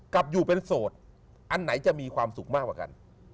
กลับอยู่เป็นโสดอันไหนจะมีความสุขมากกว่ากัน